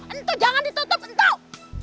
entu jangan ditutup entu